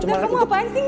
udah kamu apaan sih